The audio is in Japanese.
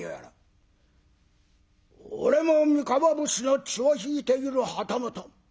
「俺も三河武士の血を引いている旗本。